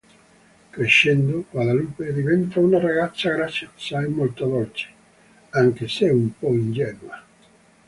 Crescendo, Guadalupe diventa una ragazza graziosa e molto dolce anche se un po' ingenua.